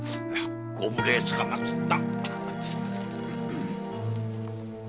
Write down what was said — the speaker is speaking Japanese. ご無礼つかまつった。